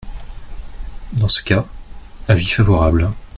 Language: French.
Dans ce cas, avis favorable.